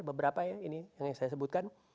beberapa ya ini yang saya sebutkan